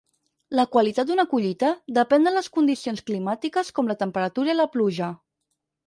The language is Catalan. La qualitat d'una collita depèn de les condicions climàtiques com la temperatura i la pluja.